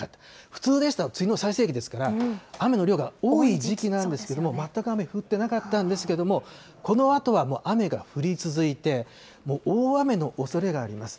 普通ですと梅雨の最盛期ですから、雨の量が多い時期なんですけれども、全く雨、降ってなかったんですけれども、このあとはもう雨が降り続いて、もう大雨のおそれがあります。